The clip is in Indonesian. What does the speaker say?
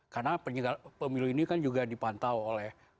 karena pemilu ini kan juga dipantau oleh